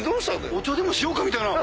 お茶でもしようみたいな。